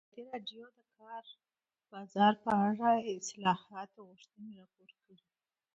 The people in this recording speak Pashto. ازادي راډیو د د کار بازار په اړه د اصلاحاتو غوښتنې راپور کړې.